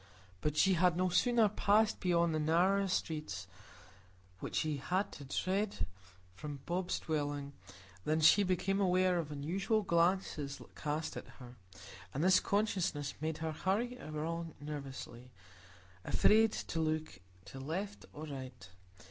But she had no sooner passed beyond the narrower streets which she had to thread from Bob's dwelling, than she became aware of unusual glances cast at her; and this consciousness made her hurry along nervously, afraid to look to right or left.